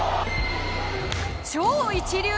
超一流！